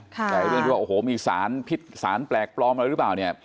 แต่เรื่องที่ว่ามีสารพิษสารแปลกปลอมอะไรรึเปล่า